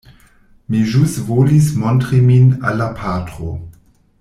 Mi ĵus volis montri min al la patro.